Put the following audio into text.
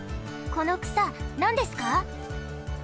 この草なんですか？